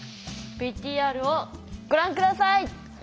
ＶＴＲをご覧下さい！